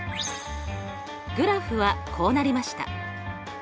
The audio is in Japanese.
グラフはこうなりました。